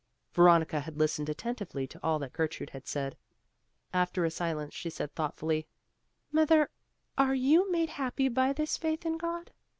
Veronica had listened attentively to all that Gertrude had said. After a silence she said thoughtfully, "Mother, are you made happy by this faith in God?"